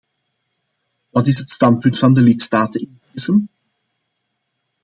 Wat is het standpunt van de lidstaten in dezen?